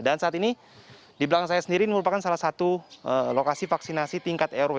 dan saat ini di belakang saya sendiri ini merupakan salah satu lokasi vaksinasi tingkat rw